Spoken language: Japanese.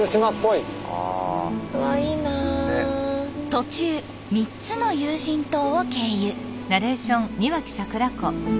途中３つの有人島を経由。